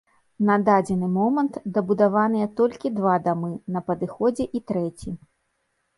На дадзены момант дабудаваныя толькі два дамы, на падыходзе і трэці.